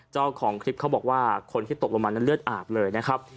เจ้าของคลิปเขาบอกว่าคนที่ตกลงมานั้นเลือดอาบเลยนะครับ